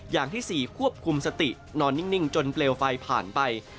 อย่างที่๔ควบคุมสตินอนนิ่งจนเปลวไฟผ่านไป